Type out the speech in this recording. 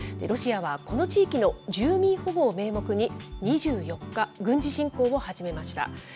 ロシアは、この地域の住民保護を名目に、２４日、軍事侵攻を始めました。